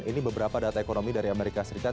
ini beberapa data ekonomi dari amerika serikat